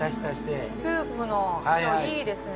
スープの色いいですね。